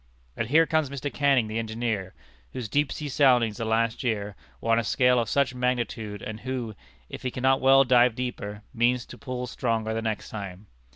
And here comes Mr. Canning, the engineer, whose deep sea soundings, the last year, were on a scale of such magnitude, and who, if he cannot well dive deeper, means to pull stronger the next time.